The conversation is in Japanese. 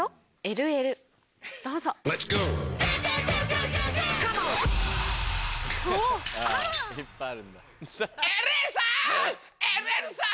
ＬＬ さん！